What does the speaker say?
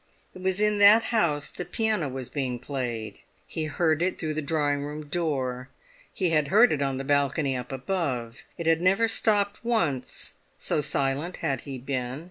It was in that house the piano was being played. He heard it through the drawing room door; he had heard it on the balcony up above; it had never stopped once, so silent had he been.